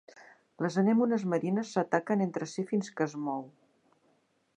Les anemones marines s'ataquen entre si fins que es mou.